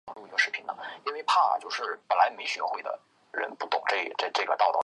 家麻雀的原产地在欧洲及亚洲的大部份区域。